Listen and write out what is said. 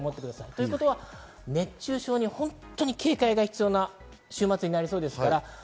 ということは熱中症に本当に警戒が必要な週末になりそうです。